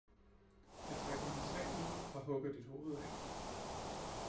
Jeg trækker min sabel ud og hugger dit hoved af!